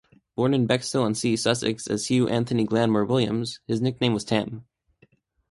Born in Bexhill-on-Sea, Sussex as Hugh Anthony Glanmor Williams, his nickname was "Tam".